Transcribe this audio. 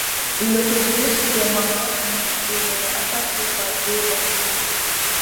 L'autobus démarre, mais il est attaqué par deux bandits.